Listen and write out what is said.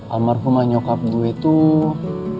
almarhumah nyokap gue tuh